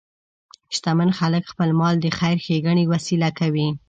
شتمن خلک خپل مال د خیر ښیګڼې وسیله کوي.